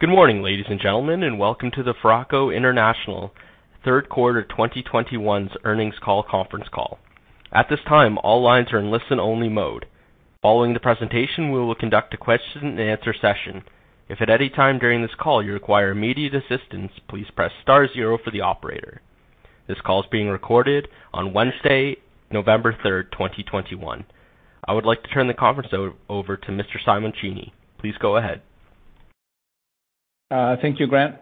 Good morning, ladies and gentlemen, and welcome to the Foraco International Q3 2021 Earnings Call Conference Call. At this time, all lines are in listen-only mode. Following the presentation, we will conduct a question-and-answer session. If at any time during this call you require immediate assistance, please press star zero for the operator. This call is being recorded on Wednesday, November 3rd, 2021. I would like to turn the conference over to Mr. Simoncini. Please go ahead. Thank you, Grant.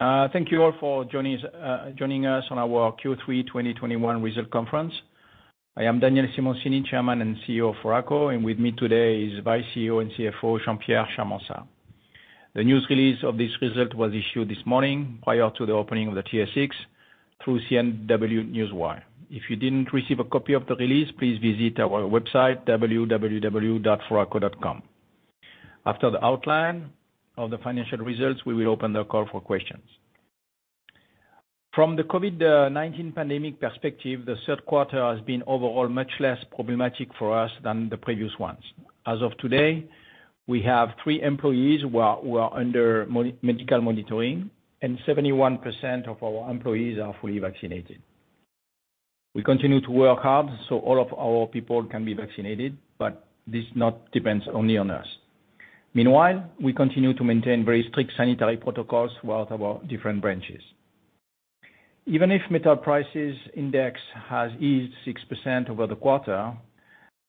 Thank you all for joining us on our Q3 2021 result conference. I am Daniel Simoncini, Chairman and CEO of Foraco, and with me today is Vice CEO and CFO, Jean-Pierre Charmensat. The news release of this result was issued this morning prior to the opening of the TSX through CNW Newswire. If you didn't receive a copy of the release, please visit our website, www.foraco.com. After the outline of the financial results, we will open the call for questions. From the COVID-19 pandemic perspective, the Q3 has been overall much less problematic for us than the previous ones. As of today, we have three employees who are under medical monitoring, and 71% of our employees are fully vaccinated. We continue to work hard so all of our people can be vaccinated, but this depends only on us. Meanwhile, we continue to maintain very strict sanitary protocols throughout our different branches. Even if metal prices index has eased 6% over the quarter,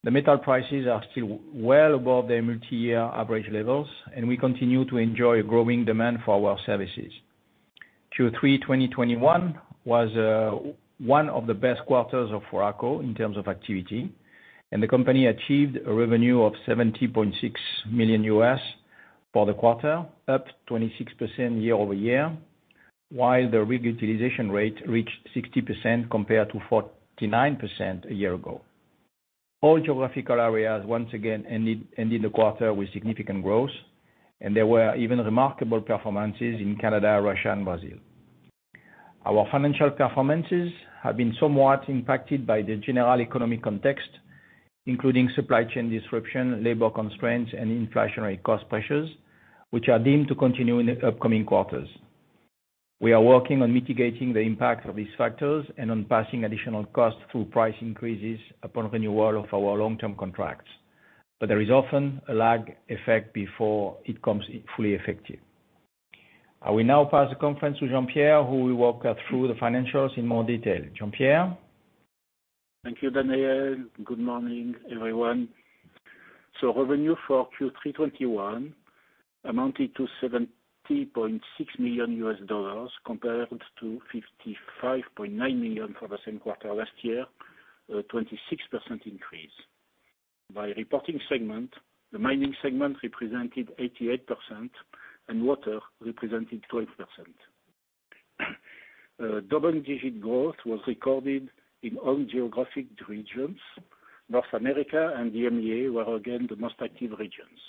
the metal prices are still well above their multi-year average levels, and we continue to enjoy a growing demand for our services. Q3 2021 was one of the best quarters of Foraco in terms of activity, and the company achieved a revenue of $70.6 million for the quarter, up 26% year-over-year, while the utilization rate reached 60% compared to 49% a year ago. All geographical areas once again ended the quarter with significant growth, and there were even remarkable performances in Canada, Russia, and Brazil. Our financial performances have been somewhat impacted by the general economic context, including supply chain disruption, labor constraints, and inflationary cost pressures, which are deemed to continue in the upcoming quarters. We are working on mitigating the impact of these factors and on passing additional costs through price increases upon renewal of our long-term contracts, but there is often a lag effect before it becomes fully effective. I will now pass the conference to Jean-Pierre, who will walk us through the financials in more detail. Jean-Pierre? Thank you, Daniel. Good morning, everyone. Revenue for Q3 2021 amounted to $70.6 million compared to $55.9 million for the same quarter last year, a 26% increase. By reporting segment, the mining segment represented 88%, and water represented 12%. Double-digit growth was recorded in all geographic regions. North America and EMEA were again the most active regions.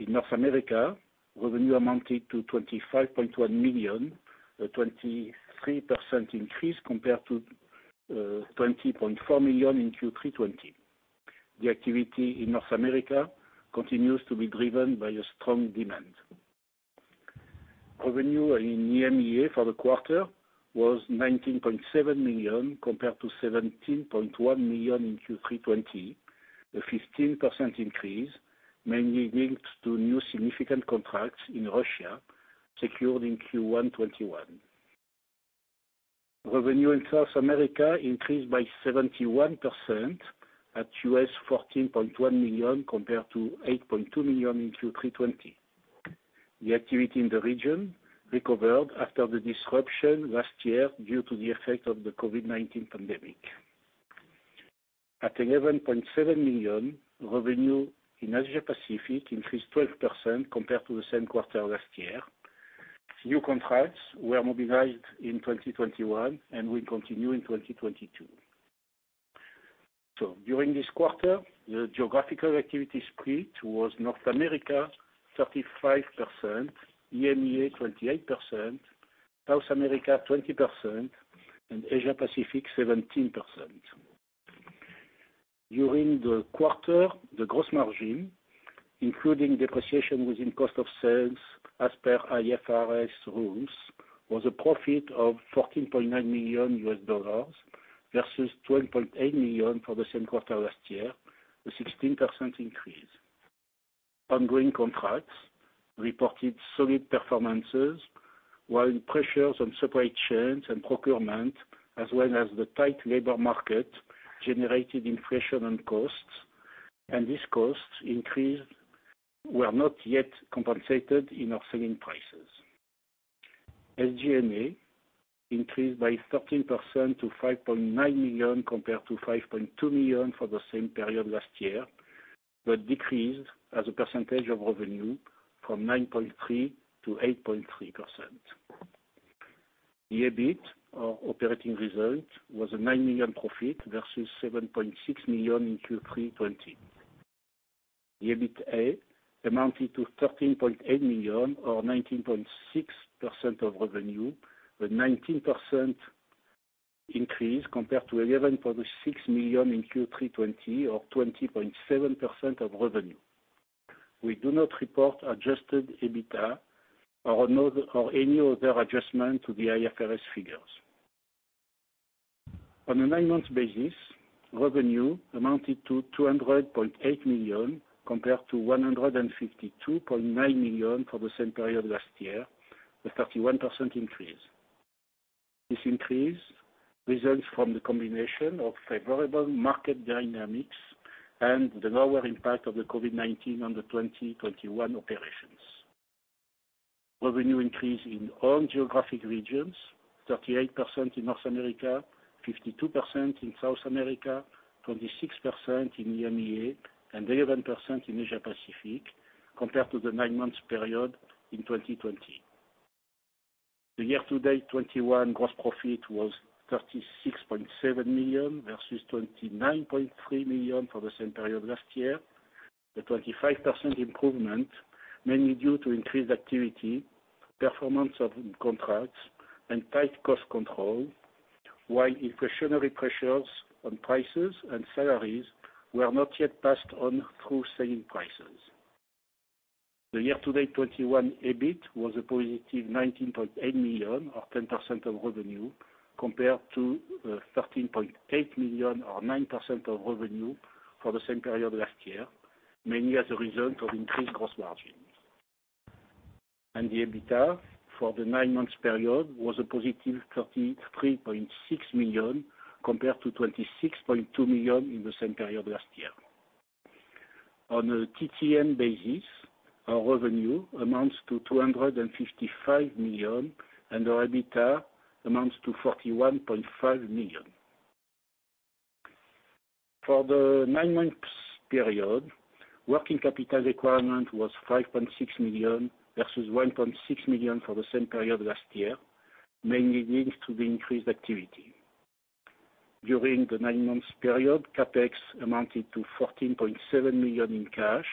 In North America, revenue amounted to $25.1 million, a 23% increase compared to $20.4 million in Q3 2020. The activity in North America continues to be driven by strong demand. Revenue in EMEA for the quarter was $19.7 million compared to $17.1 million in Q3 2020, a 15% increase, mainly linked to new significant contracts in Russia secured in Q1 2021. Revenue in South America increased by 71% at $14.1 million compared to $8.2 million in Q3 2020. The activity in the region recovered after the disruption last year due to the effect of the COVID-19 pandemic. At $11.7 million, revenue in Asia Pacific increased 12% compared to the same quarter last year. New contracts were mobilized in 2021 and will continue in 2022. So during this quarter, the geographical activity spread was North America 35%, EMEA 28%, South America 20%, and Asia Pacific 17%. During the quarter, the gross margin, including depreciation within cost of sales, as per IFRS rules, was a profit of $14.9 million versus $12.8 million for the same quarter last year, a 16% increase. Ongoing contracts reported solid performances, while pressures on supply chains and procurement, as well as the tight labor market, generated inflation and costs, and these costs increased were not yet compensated in our selling prices. SG&A increased by 13% to $5.9 million compared to $5.2 million for the same period last year, but decreased as a percentage of revenue from 9.3%-8.3%. EBIT, or operating result, was a $9 million profit versus $7.6 million in Q3 2020. EBITDA amounted to $13.8 million, or 19.6% of revenue, a 19% increase compared to $11.6 million in Q3 2020, or 20.7% of revenue. We do not report adjusted EBITDA or any other adjustment to the IFRS figures. On a nine-month basis, revenue amounted to $200.8 million compared to $152.9 million for the same period last year, a 31% increase. This increase results from the combination of favorable market dynamics and the lower impact of the COVID-19 on the 2021 operations. Revenue increased in all geographic regions: 38% in North America, 52% in South America, 26% in the EMEA, and 11% in Asia Pacific compared to the nine-month period in 2020. The year-to-date 2021 gross profit was $36.7 million versus $29.3 million for the same period last year, a 25% improvement mainly due to increased activity, performance of contracts, and tight cost control, while inflationary pressures on prices and salaries were not yet passed on through selling prices. The year-to-date 2021 EBIT was a positive $19.8 million, or 10% of revenue, compared to $13.8 million, or 9% of revenue, for the same period last year, mainly as a result of increased gross margin. The EBITA for the nine-month period was a positive $33.6 million compared to $26.2 million in the same period last year. On a TTM basis, our revenue amounts to $255 million, and our EBITDA amounts to $41.5 million. For the nine-month period, working capital requirement was $5.6 million versus $1.6 million for the same period last year, mainly linked to the increased activity. During the nine-month period, CapEx amounted to $14.7 million in cash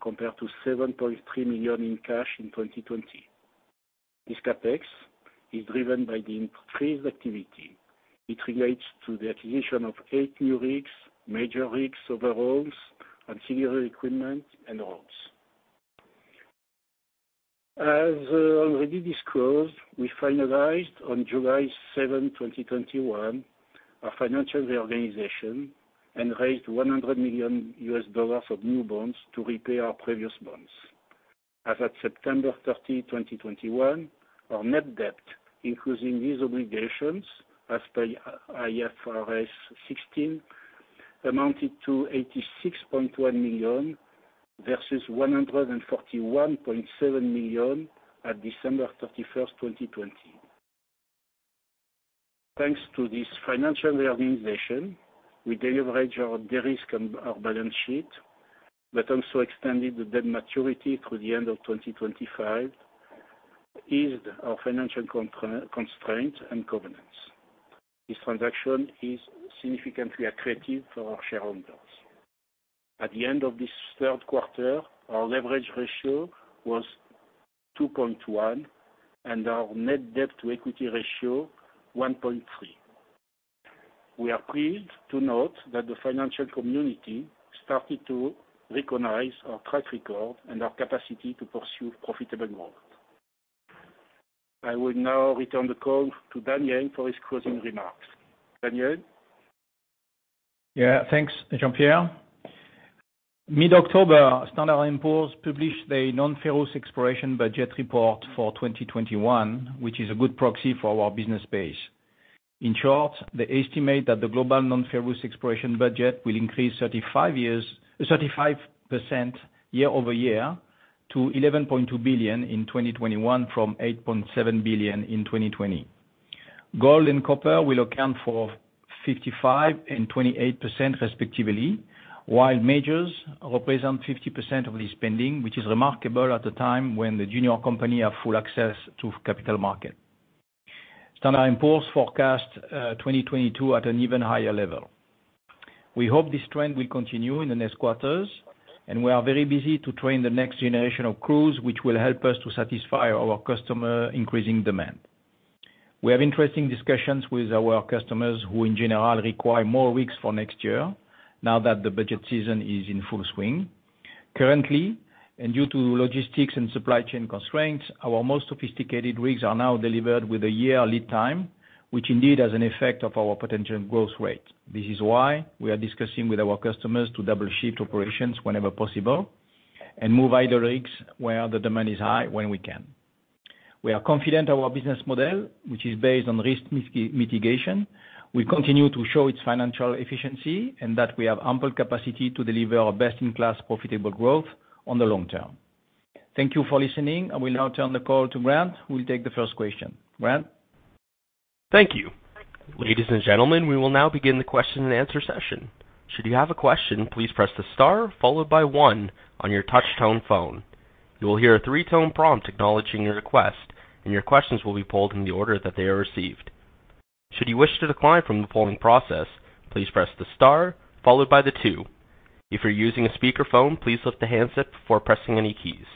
compared to $7.3 million in cash in 2020. This CapEx is driven by the increased activity. It relates to the acquisition of eight new rigs, major rigs, overhauls, and similar equipment and roads. As already disclosed, we finalized on July 7, 2021, our financial reorganization and raised $100 million of new bonds to repay our previous bonds. As of September 30, 2021, our net debt, including these obligations as per IFRS 16, amounted to $86.1 million versus $141.7 million at December 31, 2020. Thanks to this financial reorganization, we deleveraged our balance sheet, but also extended the debt maturity through the end of 2025, eased our financial constraints and covenants. This transaction is significantly attractive for our shareholders. At the end of this Q3, our leverage ratio was 2.1, and our net debt to equity ratio 1.3. We are pleased to note that the financial community started to recognize our track record and our capacity to pursue profitable growth. I will now return the call to Daniel for his closing remarks. Daniel? Yeah, thanks, Jean-Pierre. Mid-October, Standard & Poor's published their non-ferrous exploration budget report for 2021, which is a good proxy for our business base. In short, they estimate that the global non-ferrous exploration budget will increase 35% year over year to $11.2 billion in 2021 from $8.7 billion in 2020. Gold and copper will account for 55% and 28%, respectively, while majors represent 50% of this spending, which is remarkable at a time when the junior companies have full access to the capital market. Standard & Poor's forecasts 2022 at an even higher level. We hope this trend will continue in the next quarters, and we are very busy to train the next generation of crews, which will help us to satisfy our customers' increasing demand. We have interesting discussions with our customers who, in general, require more rigs for next year now that the budget season is in full swing. Currently, and due to logistics and supply chain constraints, our most sophisticated rigs are now delivered with a year lead time, which indeed has an effect on our potential growth rate. This is why we are discussing with our customers to double-shift operations whenever possible and move either rigs where the demand is high when we can. We are confident our business model, which is based on risk mitigation, will continue to show its financial efficiency and that we have ample capacity to deliver our best-in-class profitable growth on the long term. Thank you for listening. I will now turn the call to Grant, who will take the first question. Grant? Thank you. Ladies and gentlemen, we will now begin the question-and-answer session. Should you have a question, please press the star followed by one on your touch-tone phone. You will hear a three-tone prompt acknowledging your request, and your questions will be polled in the order that they are received. Should you wish to decline from the polling process, please press the star followed by the two. If you're using a speakerphone, please lift the handset before pressing any keys.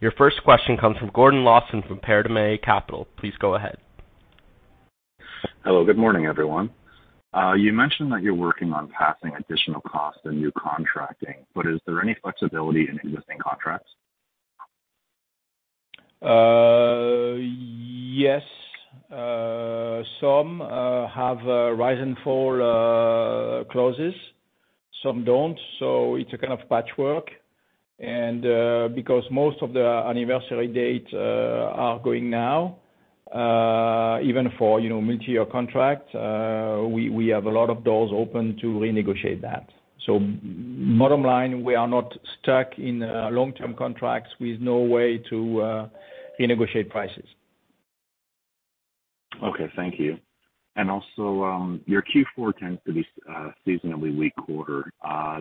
Your first question comes from Gordon Lawson from Paradigm Capital. Please go ahead. Hello, good morning, everyone. You mentioned that you're working on passing additional costs and new contracting, but is there any flexibility in existing contracts? Yes. Some have rise-and-fall clauses. Some don't, so it's a kind of patchwork. And because most of the anniversary dates are going now, even for multi-year contracts, we have a lot of doors open to renegotiate that. So bottom line, we are not stuck in long-term contracts with no way to renegotiate prices. Okay, thank you. And also, your Q4 tends to be a seasonally weak quarter.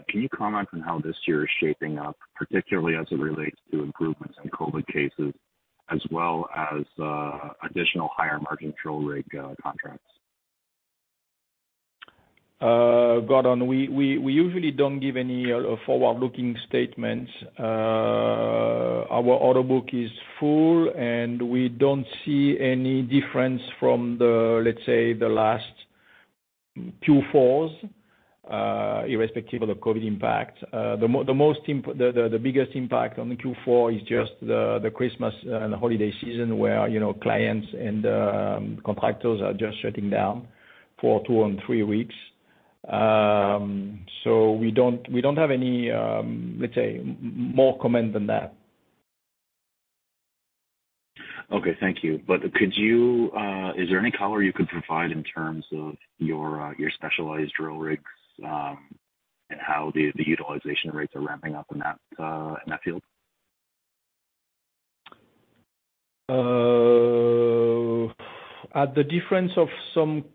Can you comment on how this year is shaping up, particularly as it relates to improvements in COVID cases, as well as additional higher-margin drill rig contracts? Gordon, we usually don't give any forward-looking statements. Our order book is full, and we don't see any difference from the, let's say, the last Q4s, irrespective of the COVID impact. The biggest impact on Q4 is just the Christmas and holiday season where clients and contractors are just shutting down for two or three weeks. So we don't have any, let's say, more comment than that. Okay, thank you. But is there any color you could provide in terms of your specialized drill rigs and how the utilization rates are ramping up in that field? At the difference of some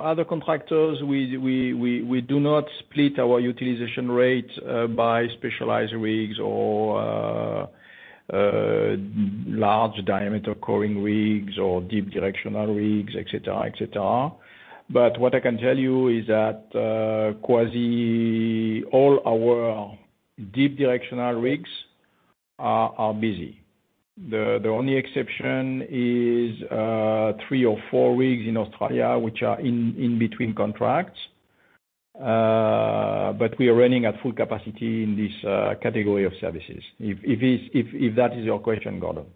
other contractors, we do not split our utilization rates by specialized rigs or large-diameter coring rigs or deep directional rigs, etc., etc. But what I can tell you is that quasi all our deep directional rigs are busy. The only exception is three or four rigs in Australia, which are in between contracts. But we are running at full capacity in this category of services. If that is your question, Gordon.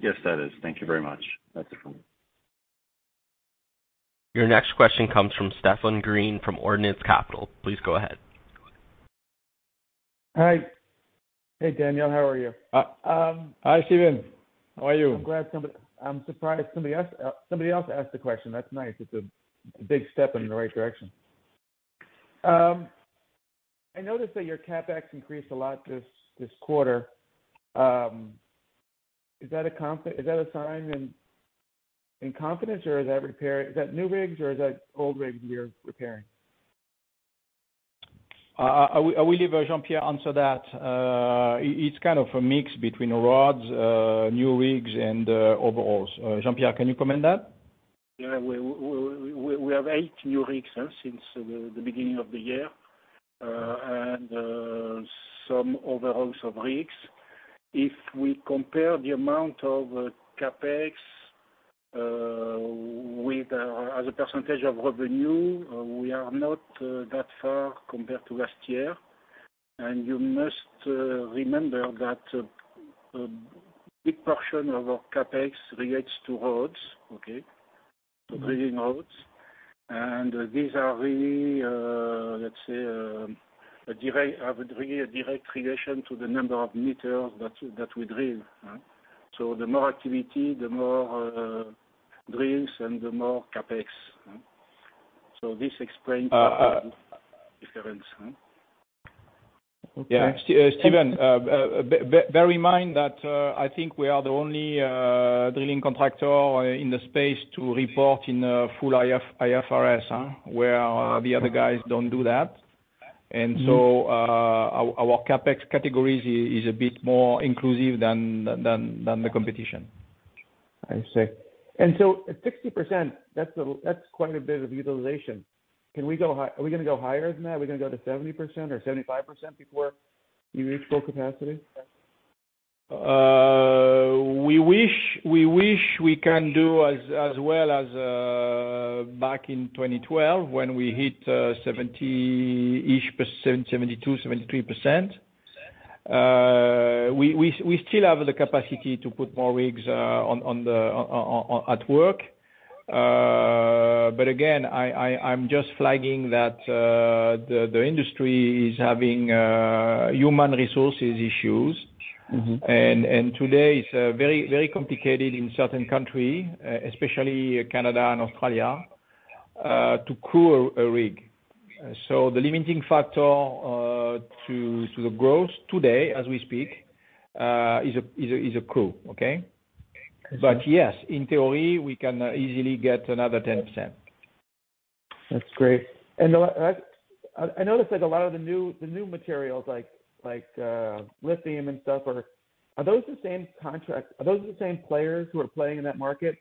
Yes, that is. Thank you very much. That's it for me. Your next question comes from Steven Green from Ordinance Capital. Please go ahead. Hi. Hey, Daniel. How are you? Hi, Steven. How are you? I'm surprised somebody else asked the question. That's nice. It's a big step in the right direction. I noticed that your CapEx increased a lot this quarter. Is that a sign of confidence, or is that new rigs, or is that old rigs you're repairing? I will let Jean-Pierre answer that. It's kind of a mix between rods, new rigs, and overhauls. Jean-Pierre, can you comment on that? Yeah. We have eight new rigs since the beginning of the year and some overhauls of rigs. If we compare the amount of CapEx as a percentage of revenue, we are not that far compared to last year. And you must remember that a big portion of our CapEx relates to rods, okay, to drilling rods. And these are really, let's say, have a direct relation to the number of meters that we drill. So the more activity, the more drills, and the more CapEx. So this explains the difference. Yeah. Steven, bear in mind that I think we are the only drilling contractor in the space to report in full IFRS, where the other guys don't do that. So our CapEx category is a bit more inclusive than the competition. I see. And so 60%, that's quite a bit of utilization. Are we going to go higher than that? Are we going to go to 70% or 75% before you reach full capacity? We wish we can do as well as back in 2012 when we hit 70-ish, 72, 73%. We still have the capacity to put more rigs at work. But again, I'm just flagging that the industry is having human resources issues. And today, it's very complicated in certain countries, especially Canada and Australia, to crew a rig. So the limiting factor to the growth today, as we speak, is a crew. Okay? But yes, in theory, we can easily get another 10%. That's great. I noticed a lot of the new materials, like lithium and stuff, are those the same contracts? Are those the same players who are playing in that market?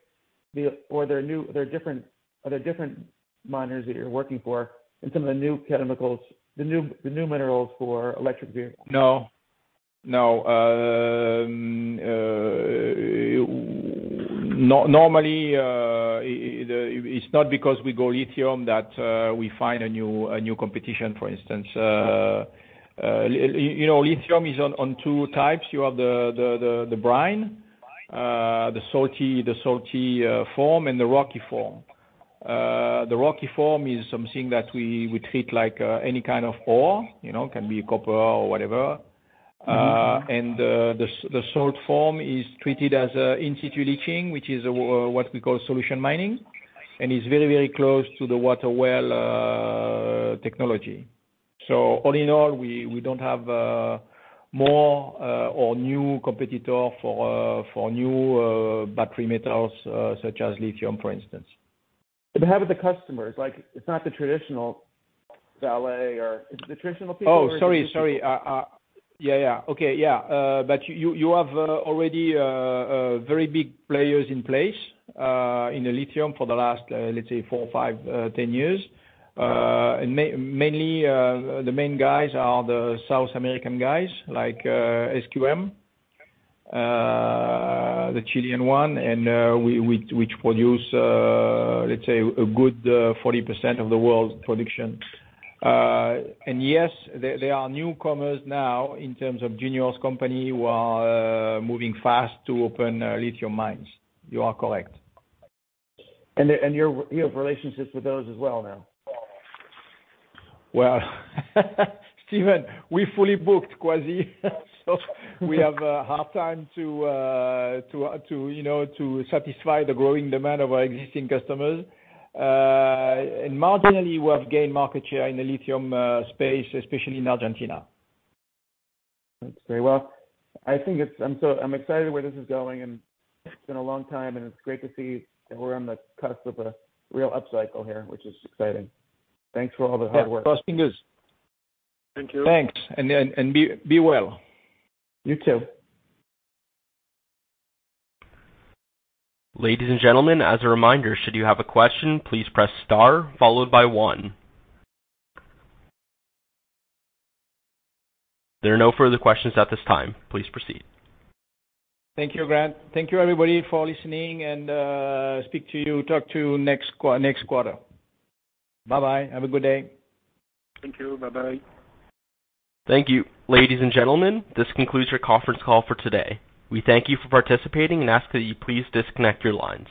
Or are there different miners that you're working for in some of the new chemicals, the new minerals for electric vehicles? No. No. Normally, it's not because we go lithium that we find a new competition, for instance. Lithium is on two types. You have the brine, the salty form, and the rocky form. The rocky form is something that we treat like any kind of ore. It can be copper or whatever. And the salt form is treated as in-situ leaching, which is what we call solution mining, and it's very, very close to the water well technology. So all in all, we don't have more or new competitors for new battery metals such as lithium, for instance. But how about the customers? It's not the traditional Vale or it's the traditional people. But you have already very big players in place in lithium for the last, let's say, four, five, 10 years. And mainly, the main guys are the South American guys like SQM, the Chilean one, which produce, let's say, a good 40% of the world's production. And yes, there are newcomers now in terms of juniors companies who are moving fast to open lithium mines. You are correct. You have relationships with those as well now? Well, Steven, we fully booked quasi, so we have a hard time to satisfy the growing demand of our existing customers. Marginally, we have gained market share in the lithium space, especially in Argentina. That's great. Well, I think I'm excited where this is going. It's been a long time, and it's great to see that we're on the cusp of a real upcycle here, which is exciting. Thanks for all the hard work. Cross fingers. Thank you. Thanks. And be well. You too. Ladies and gentlemen, as a reminder, should you have a question, please press star followed by one. There are no further questions at this time. Please proceed. Thank you, Grant. Thank you, everybody, for listening, and speak to you, talk to you next quarter. Bye-bye. Have a good day. Thank you. Bye-bye. Thank you. Ladies and gentlemen, this concludes your conference call for today. We thank you for participating and ask that you please disconnect your lines.